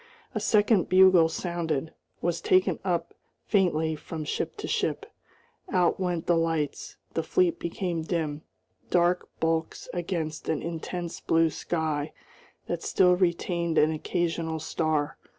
A second bugle sounded, was taken up faintly from ship to ship. Out went the lights; the fleet became dim, dark bulks against an intense blue sky that still retained an occasional star.